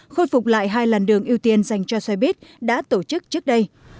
khôi phục lại hai làn đường ưu tiên dành cho xe buýt đã tổ chức trước đây